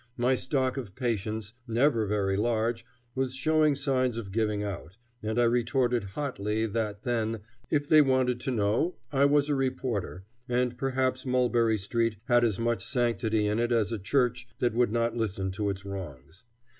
My stock of patience, never very large, was showing signs of giving out, and I retorted hotly that then, if they wanted to know, I was a reporter, and perhaps Mulberry Street had as much sanctity in it as a church that would not listen to its wrongs.